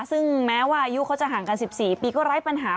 ซึ่งแม้ว่าอายุเขาจะห่างกัน๑๔ปีก็ไร้ปัญหา